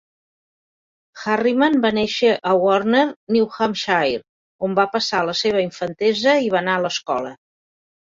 Harriman va néixer a Warner, New Hampshire, on va passar la seva infantesa i va anar a l'escola.